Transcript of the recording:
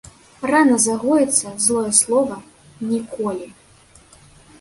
Рана загоіцца, злое слова ‒ ніколі